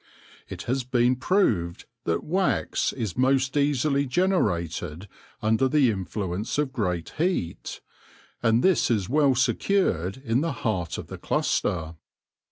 It has been proved that wax is most easily generated under the influence of great heat, and this is well secured in the heart of the cluster.